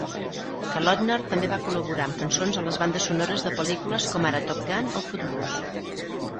Kalodner també va col·laborar amb cançons a les bandes sonores de pel·lícules com ara "Top Gun" o "Footloose".